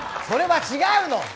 それは違うの。